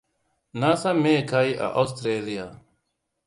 Na san me ka yi a Australia.